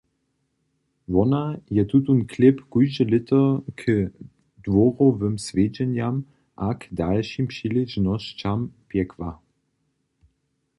Wona je tutón chlěb kóžde lěto k dworowym swjedźenjam a k dalšim přiležnosćam pjekła.